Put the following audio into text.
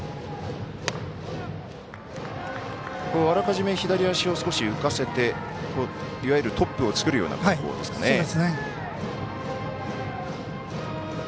あらかじめ左足を少し浮かせていわゆるトップを作るような格好ですね。